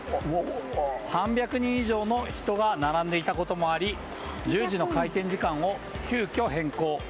３００人以上の人が並んでいたこともあり１０時の開店時間を急きょ変更。